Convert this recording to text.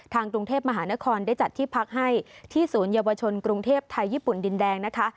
กรุงเทพมหานครได้จัดที่พักให้ที่ศูนยวชนกรุงเทพไทยญี่ปุ่นดินแดงนะคะ